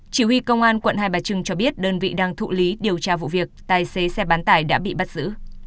chỉ huy công an quận hai bà trưng cho biết đơn vị đang thụ lý điều tra vụ việc tài xế xe bán tải đã bị bắt giữ